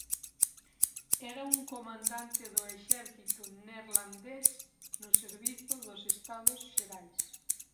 Era un comandante do exército neerlandés no servizo dos Estados Xerais.